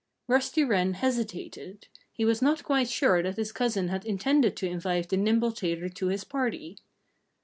Rusty Wren hesitated. He was not quite sure that his cousin had intended to invite the nimble tailor to his party.